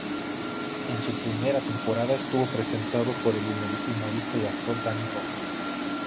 En su primera temporada estuvo presentado por el humorista y actor Dani Rovira.